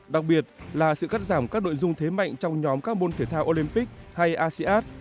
đặc biệt là sự cắt giảm các nội dung thế mạnh trong nhóm các môn thể thao olympic hay asean